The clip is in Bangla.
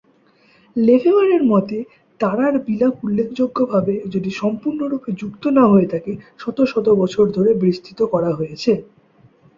লেফেবার-এর মতে, তারার বিলাপ উল্লেখযোগ্যভাবে, যদি সম্পূর্ণরূপে যুক্ত না হয়ে থাকে, শত শত বছর ধরে বিস্তৃত করা হয়েছে।